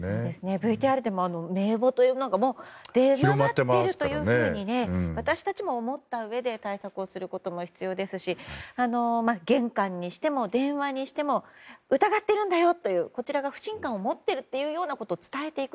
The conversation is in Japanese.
ＶＴＲでも名簿というのが出回っているというふうに私たちも思ったうえで対策をすることが必要ですし玄関にしても電話にしても疑ってるんだよという、こちらが不信感を持っていることを伝えていく、